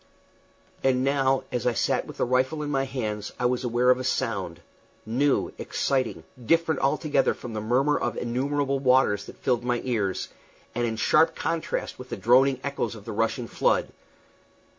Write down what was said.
And now, as I sat with the rifle in my hands, I was aware of a sound new, exciting, different altogether from the murmur of innumerable waters that filled my ears, and in sharp contrast with the droning echoes of the rushing flood.